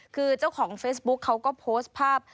คือเจ้าของเฟซบุ๊กเขาก็โพสต์ภาพ